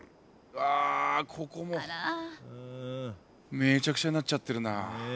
めちゃくちゃになっちゃってるな。